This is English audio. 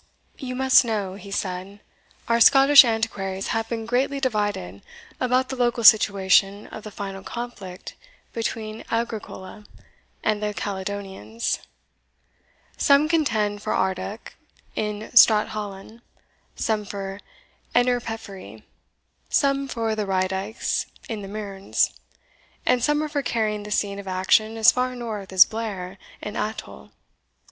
"You must know," he said, "our Scottish antiquaries have been greatly divided about the local situation of the final conflict between Agricola and the Caledonians; some contend for Ardoch in Strathallan, some for Innerpeffry, some for the Raedykes in the Mearns, and some are for carrying the scene of action as far north as Blair in Athole.